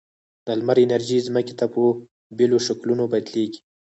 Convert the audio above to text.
د لمر انرژي ځمکې ته په بېلو شکلونو بدلیږي.